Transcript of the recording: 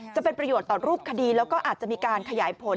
จะเป็นประโยชน์ต่อรูปคดีแล้วก็อาจจะมีการขยายผล